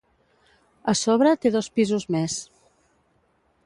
A sobre, té dos pisos més.